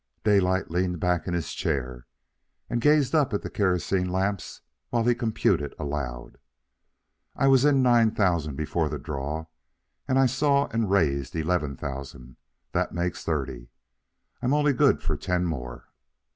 Daylight leaned back in his chair and gazed up at the kerosene lamps while he computed aloud. "I was in nine thousand before the draw, and I saw and raised eleven thousand that makes thirty. I'm only good for ten more."